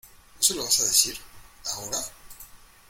¿ no se lo vas a decir? ¿ ahora ?